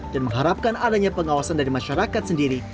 mengharapkan adanya pengawasan dari masyarakat sendiri